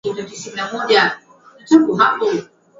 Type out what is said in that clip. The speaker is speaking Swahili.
wenyewe kuamua spishi zao na kwa kweli